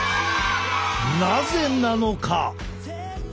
なぜなのか？